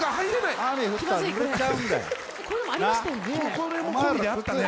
これも込みであったね。